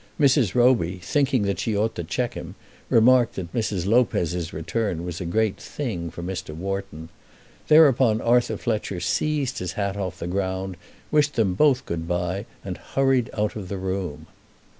Mrs. Roby, thinking that she ought to check him, remarked that Mrs. Lopez's return was a great thing for Mr. Wharton. Thereupon Arthur Fletcher seized his hat off the ground, wished them both good bye, and hurried out of the room.